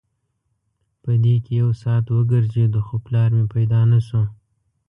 په دې کې یو ساعت وګرځېدو خو پلار مې پیدا نه شو.